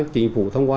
chính phủ thông qua